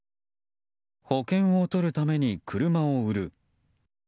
保険をとるために車を売る。